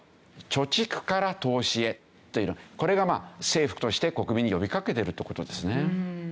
貯蓄から投資へというのをこれが政府として国民に呼びかけてるって事ですね。